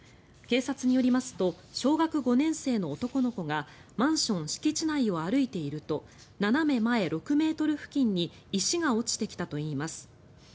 警察によりますと小学５年生の男の子がマンション敷地内を歩いていると斜め前６ｍ付近に石が落ちてきたといいます。